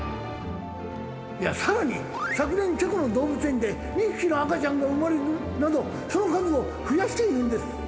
さらに昨年チェコの動物園で２匹の赤ちゃんが生まれるなどその数を増やしているんです。